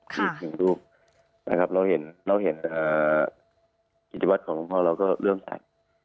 ถึงรูปเราเห็นกิจวัตรของหลวงพ่อเราก็เริ่มสัย